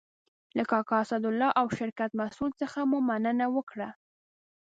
له کاکا اسدالله او شرکت مسئول څخه مو مننه وکړه.